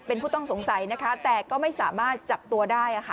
เป็นผู้ต้องสงสัยนะคะแต่ก็ไม่สามารถจับตัวได้